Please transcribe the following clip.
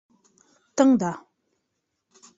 Тыңда.